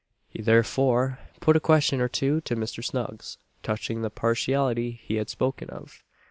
He therefore put a question, or two, to Mr. Snuggs, touching the "partiality" he had spoken of.